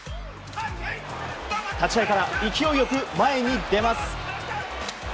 立ち合いから勢いよく前に出ます。